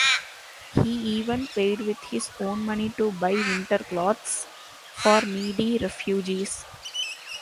He even paid with his own money to buy winter clothes for needy refugees.